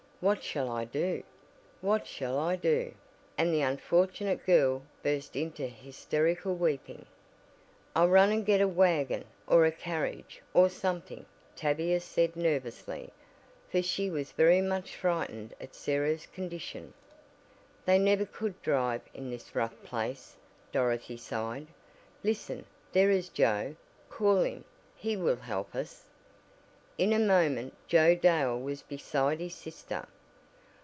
What shall I do? What shall I do?" and the unfortunate girl burst into hysterical weeping "I'll run and get a wagon or a carriage or something," Tavia said nervously, for she was very much frightened at Sarah's condition. "They never could drive in this rough place," Dorothy sighed. "Listen! There is Joe. Call him. He will help us." In a moment Joe Dale was beside his sister.